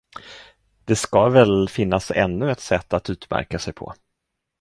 Det ska väl finnas ännu ett sätt att utmärka sig på.